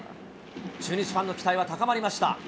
中日ファンの期待は高まりました。